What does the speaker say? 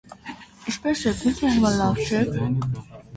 Ինչպե՞ս եք, մի՞թե հիմա լավ չեք: